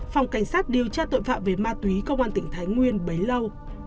phòng cảnh sát điều tra tội phạm về ma túy công an tỉnh thái nguyên bấy lâu